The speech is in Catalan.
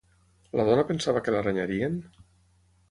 La dona pensava que la renyarien?